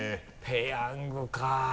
「ペヤング」かぁ。